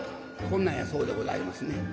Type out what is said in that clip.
こんなんやそうでございますね。